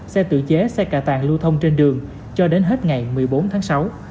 xe tự chế xe cà tàn lưu thông trên đường cho đến hết ngày một mươi bốn tháng sáu